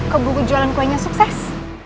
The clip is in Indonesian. kebuku jualan kuenya sukses